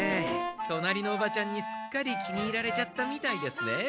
隣のおばちゃんにすっかり気に入られちゃったみたいですね。